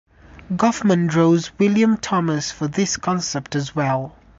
Goffman draws from William Thomas for this concept as well.